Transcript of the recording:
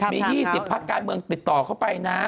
มี๒๐พักการเมืองติดต่อเข้าไปนะ